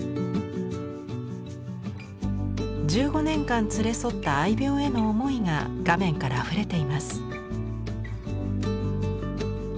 １５年間連れ添った愛猫への思いが画面からあふれています。